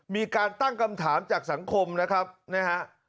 มีการตั้งคำถามจากสังคมนะครับนะฮะ